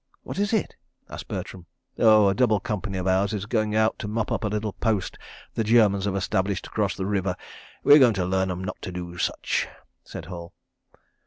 "What is it?" asked Bertram. "Oh, a double company of Ours is going out to mop up a little post the Germans have established across the river. We're going to learn 'em not to do such," said Hall.